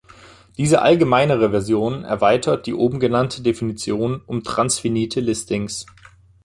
Diese allgemeinere Version erweitert die oben genannte Definition um transfinite Listings.